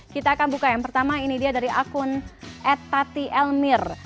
kita akan buka yang pertama ini dia dari akun ed tati elmir